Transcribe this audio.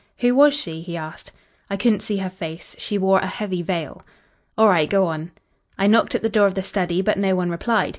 "Who was she?" he asked. "I couldn't see her face; she wore a heavy veil." "All right; go on." "I knocked at the door of the study, but no one replied.